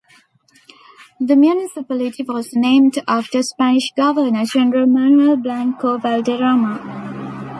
The municipality was named after Spanish governor-general Manuel Blanco Valderrama.